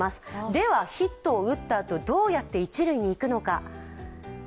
ではヒットを打ったあとどうやって一塁に行くのか。